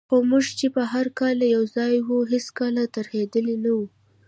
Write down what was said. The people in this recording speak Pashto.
خو موږ چي به هر کله یوځای وو، هیڅکله ترهېدلي نه وو.